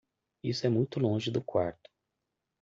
Isso é muito longe do quarto.